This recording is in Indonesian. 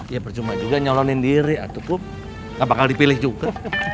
ya percuma juga nyalonin diri ataupun gak bakal dipilih juga